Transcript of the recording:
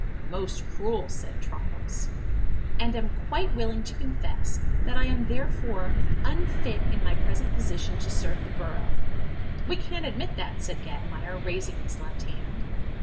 "Most cruel!" said Troddles. "And am quite willing to confess that I am therefore unfit in my present position to serve the borough." "We can't admit that," said Gadmire, raising his left hand.